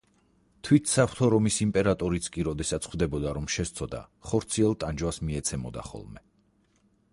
თვით საღვთო რომის იმპერატორიც კი, როდესაც ხვდებოდა, რომ შესცოდა, ხორციელ ტანჯვას მიეცემოდა ხოლმე.